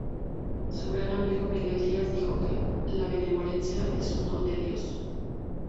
Su gran amigo Miguel Díaz dijo que: "La benevolencia es un don de Dios.